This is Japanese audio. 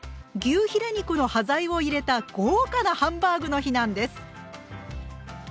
牛ヒレ肉の端材を入れた豪華なハンバーグの日なんです。